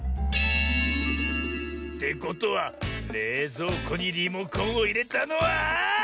てことはれいぞうこにリモコンをいれたのは。